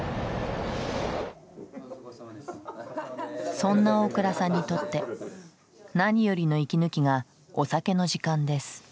そんな大倉さんにとって何よりの息抜きがお酒の時間です。